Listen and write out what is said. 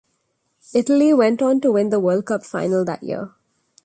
Italy went on to win the World Cup final that year.